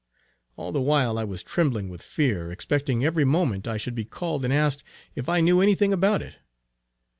All the while, I was trembling with fear, expecting every moment I should be called and asked if I knew any thing about it.